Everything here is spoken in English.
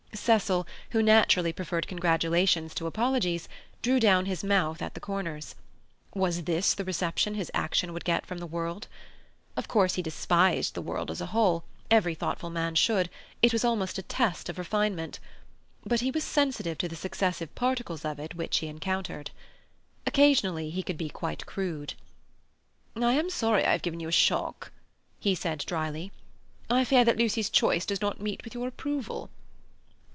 Cecil, who naturally preferred congratulations to apologies, drew down his mouth at the corners. Was this the reception his action would get from the world? Of course, he despised the world as a whole; every thoughtful man should; it is almost a test of refinement. But he was sensitive to the successive particles of it which he encountered. Occasionally he could be quite crude. "I am sorry I have given you a shock," he said dryly. "I fear that Lucy's choice does not meet with your approval."